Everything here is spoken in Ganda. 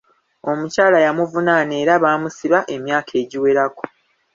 Omukyala yamuvunaana era baamusiba emyaka egiwerako.